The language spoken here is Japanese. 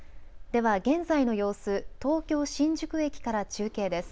では現在の様子、東京新宿駅から中継です。